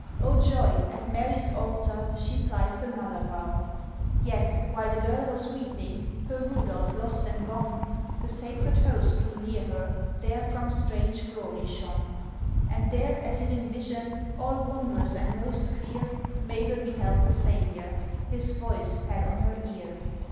O joy! at Mary's altar, She plights another vow! Yes! while the girl was weeping, Her Rudolph lost and gone, The Sacred Host drew near her, There from strange glory shone. And there as if in vision, All wondrous, and most clear, Mabel beheld the Saviour, His voice fell on her ear.